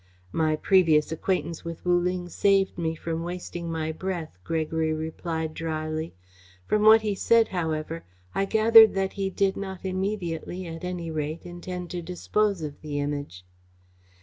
"My previous acquaintance with Wu Ling saved me from wasting my breath," Gregory replied drily. "From what he said, however, I gathered that he did not immediately, at any rate, intend to dispose of the Image."